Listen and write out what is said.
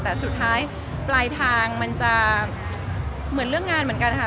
แต่สุดท้ายปลายทางมันจะเหมือนเรื่องงานเหมือนกันค่ะ